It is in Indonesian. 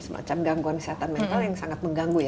semacam gangguan kesehatan mental yang sangat mengganggu ya